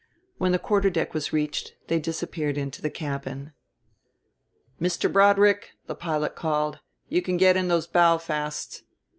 When the quarter deck was reached they disappeared into the cabin. "Mr. Broadrick," the pilot called, "you can get in those bow fasts.